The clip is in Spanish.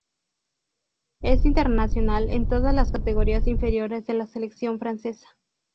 Es internacional en todas las categorías inferiores de la selección francesa.